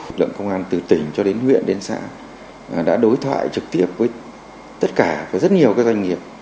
lực lượng công an từ tỉnh cho đến huyện đến xã đã đối thoại trực tiếp với tất cả và rất nhiều doanh nghiệp